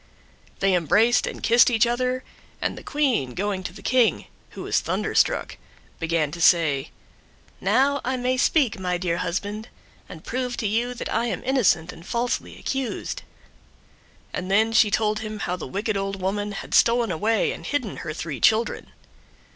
They embraced and kissed each other, and the Queen going to the King, who was thunderstruck, began to say, "Now may I speak, my dear husband, and prove to you that I am innocent and falsely accused;" and then she told him how the wicked old woman had stolen away and hidden her three children.